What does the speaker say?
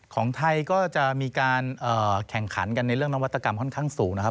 ของไทยก็จะมีการแข่งขันกันในเรื่องนวัตกรรมค่อนข้างสูงนะครับ